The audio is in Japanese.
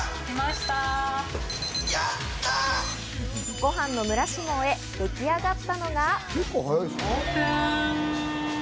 ご飯のむらしを終え、出来上がったのが。